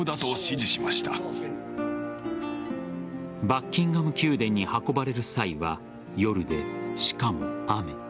バッキンガム宮殿に運ばれる際は夜で、しかも雨。